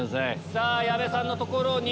さぁ矢部さんのところに。